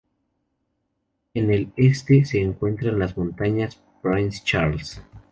En el este, se encuentran las montañas Prince Charles.